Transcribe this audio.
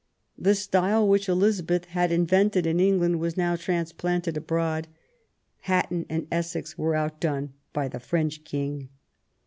The style which Elizabeth had invented 18 274 QUEEN ELIZABETH. in England was now transplanted abroad. Hatton and Essex were outdone by the French King.